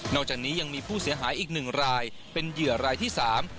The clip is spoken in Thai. จากนี้ยังมีผู้เสียหายอีกหนึ่งรายเป็นเหยื่อรายที่สาม